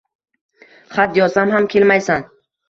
Xat yozsam ham kelmaysan